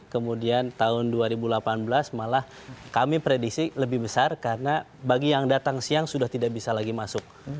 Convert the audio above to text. kemudian tahun dua ribu delapan belas malah kami prediksi lebih besar karena bagi yang datang siang sudah tidak bisa lagi masuk